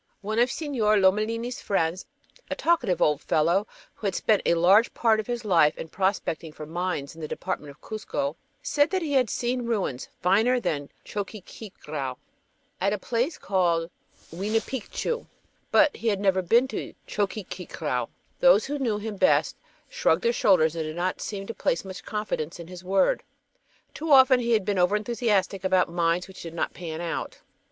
One of Señor Lomellini's friends, a talkative old fellow who had spent a large part of his life in prospecting for mines in the department of Cuzco, said that he had seen ruins "finer than Choqquequirau" at a place called Huayna Picchu; but he had never been to Choqquequirau. Those who knew him best shrugged their shoulders and did not seem to place much confidence in his word. Too often he had been over enthusiastic about mines which did not "pan out."